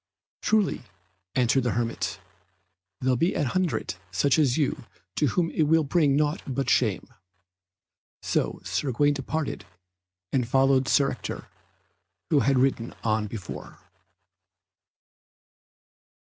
"Truly," answered the hermit, "there be an hundred such as you to whom it will bring naught but shame." So Gawaine departed and followed Sir Ector, who had ridden on before.